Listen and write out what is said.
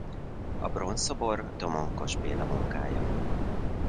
A bronzszobor Domonkos Béla munkája.